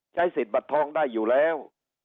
ใช้สิทธิ์บัตรทองได้อยู่แล้ว